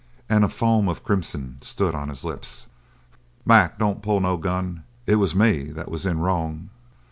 And a foam of crimson stood on his lips. "Mac, don't pull no gun! It was me that was in wrong!"